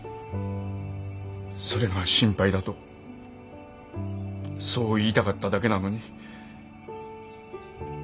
それが心配だとそう言いたかっただけなのに。